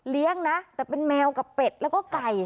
นะแต่เป็นแมวกับเป็ดแล้วก็ไก่